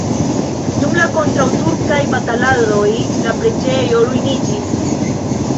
Dum la kontraŭturkaj bataladoj la preĝejo ruiniĝis.